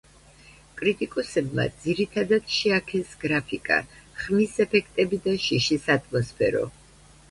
კრიტიკოსებმა ძირითადად შეაქეს გრაფიკა, ხმის ეფექტები და შიშის ატმოსფერო.